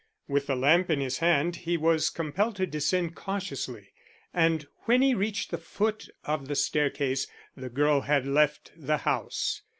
With the lamp in his hand he was compelled to descend cautiously, and when he reached the foot of the staircase the girl had left the house.